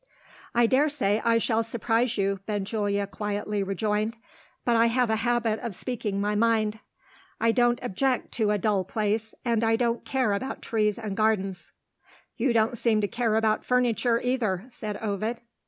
"I dare say I shall surprise you," Benjulia quietly rejoined; "but I have a habit of speaking my mind. I don't object to a dull place; and I don't care about trees and gardens." "You don't seem to care about furniture either," said Ovid.